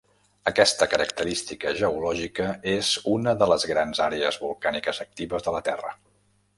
Aquesta característica geològica és una de les grans àrees volcàniques actives de la Terra.